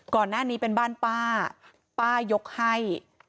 ก่อนหน้านี้เป็นบ้านป้าป้ายกให้